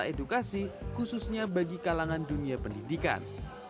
serta edukasi khususnya bagi kalangan dunia pendidikan